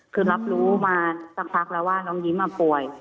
คือรับรู้มาสักพักแล้วว่าน้องยิ้มป่วย